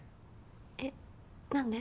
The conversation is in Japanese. えっ何で？